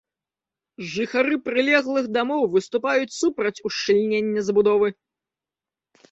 Жыхары прылеглых дамоў выступаюць супраць ушчыльнення забудовы.